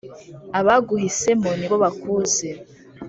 Abaguhisemo ni bo bakuzi